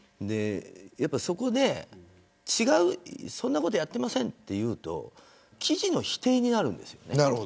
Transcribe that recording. そこで、そんなことやってませんと言うと記事の否定になるんです。